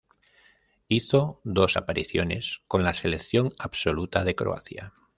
Hizo dos apariciones con la selección absoluta de Croacia.